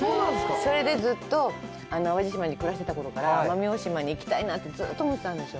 それで、ずっと淡路島のころから奄美大島に行きたいなって、ずっと思ってたんですよ。